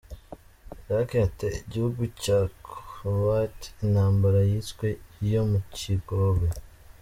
Iraq yateye igihugu cya Kuwait, intambara yiswe iyo mu kigobe.